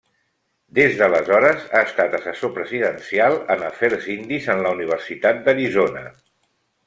Des d'aleshores ha estat assessor presidencial en afers indis en la Universitat d'Arizona.